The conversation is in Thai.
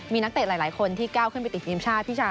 มีนักเตะหลายคนที่ก้าวขึ้นไปติดทีมชาติ